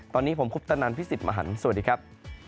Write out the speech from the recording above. ตอนนี้ผมคุปตะนันพี่สิทธิ์มหันฯสวัสดีครับ